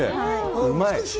うまい。